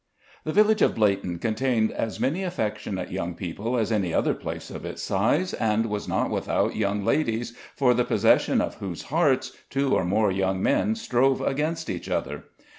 The village of Bleighton contained as many affectionate young people as any other place of its size, and was not without young ladies, for the possession of whose hearts two or more young men strove against each other.